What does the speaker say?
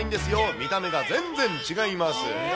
見た目が全然違います。